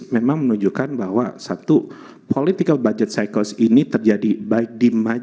memang menunjukkan bahwa satu political budget cycles ini terjadi baik di masyarakat